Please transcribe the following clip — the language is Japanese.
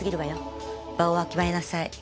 場をわきまえなさい。